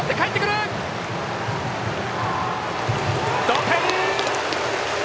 同点！